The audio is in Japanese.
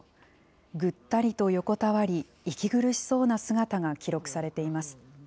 ぐったりと横たわり、息苦しそうな姿が記録されています。